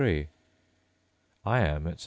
I am, etc.